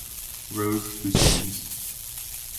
Rose who seems.